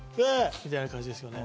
みたいな感じですよね。